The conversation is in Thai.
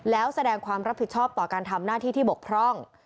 แล้วแสดงความรับผิดชอบต่อการทำหน้าที่ที่บกพร่อง